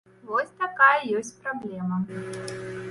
Вось такая ёсць праблема.